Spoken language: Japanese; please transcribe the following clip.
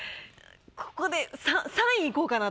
ここで３位いこうかなと。